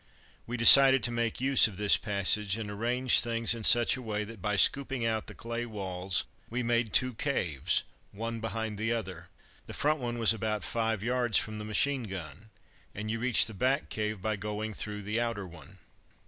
We decided to make use of this passage, and arranged things in such a way that by scooping out the clay walls we made two caves, one behind the other. The front one was about five yards from the machine gun, and you reached the back cave by going through the outer one.